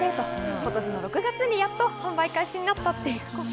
今年６月にやっと販売開始になったということです。